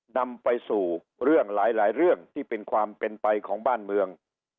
นำไปสู่เรื่องหลายเรื่องที่เป็นความเป็นไปของบ้านเมือง